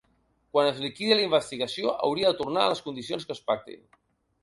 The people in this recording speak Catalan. Quan es liquidi la investigació, hauria de tornar en les condicions que es pactin.